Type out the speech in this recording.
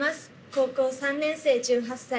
高校３年生１８歳。